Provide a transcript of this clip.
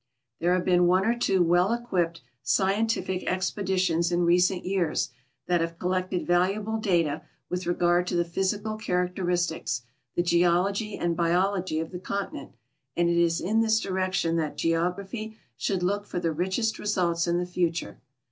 There have been one or two well equipped scientific expedi tions in recent years that have collected valuable data with re gard to the physical characteristics, the geology and biology of the continent ; and it is in this direction that geography should look for the richest results in the future.